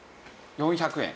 ４００円？